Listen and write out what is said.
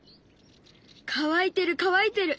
乾いてる乾いてる！